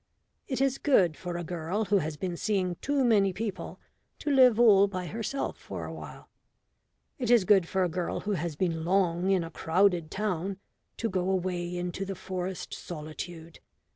It is good for a girl who has been seeing too many people to live all by herself for a while. It is good for a girl who has been long in a crowded town to go away into the forest solitude.